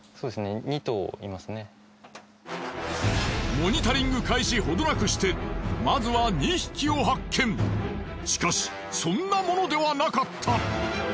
モニタリング開始ほどなくしてまずはしかしそんなものではなかった。